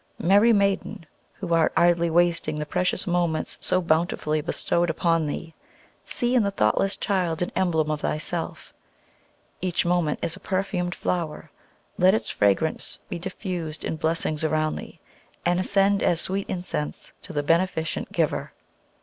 Merry maiden, who art idly wasting the precious moments so bountifully bestowed upon thee, see in the thoughtless child an emblem of thyself! Each moment is a perfumed flower. Let its fragrance be diffused in blessings around thee, and ascend as sweet incense to the beneficent Giver!